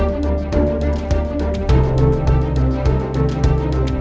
saya mau pun mengantar ibu pulang